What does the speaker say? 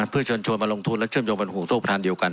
เพื่อชวนชนมันลงทุนและเชื่อมโยงบรรคงงศูนย์ประธานเดียวกัน